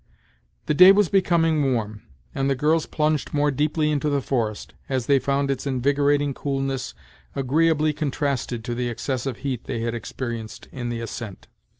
The day was becoming warm, and the girls plunged more deeply into the forest, as they found its invigorating coolness agreeably contrasted to the excessive heat they had experienced in the ascent.